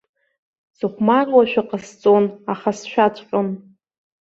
Сыхәмаруашәа ҟасҵон, аха сшәаҵәҟьон.